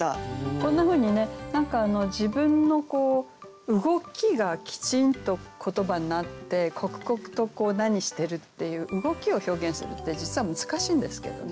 こんなふうにね何か自分の動きがきちんと言葉になって刻々と何してるっていう動きを表現するって実は難しいんですけどね。